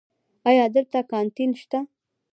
ایا دلته کانتین شته؟